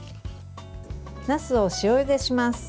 なすを塩ゆでします。